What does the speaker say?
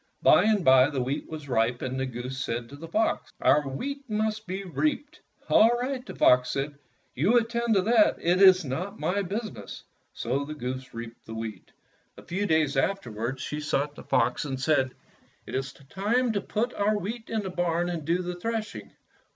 By and by the wheat was ripe, and the goose said to the fox, "Our wheat must be reaped." "All right," the fox said, "you attend to that. It is not my business." So the goose reaped the wheat. A few Fairy Tale Foxes 143 days afterward she sought the fox and said, ''It is time to put our wheat in the barn and do the threshing."